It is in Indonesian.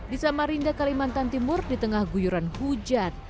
di samarinda kalimantan timur di tengah guyuran hujan